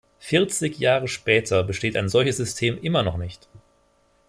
Vierzig Jahre später besteht ein solches System immer noch nicht.